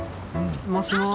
もしもし。